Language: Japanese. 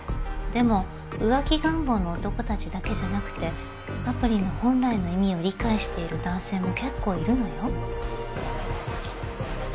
でも浮気願望の男たちだけじゃなくてアプリの本来の意味を理解している男性も結構いるのよ。